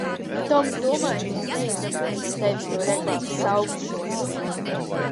Toms domāja, ka es neizdabūšu no tevis to reklāmas saukli šonakt.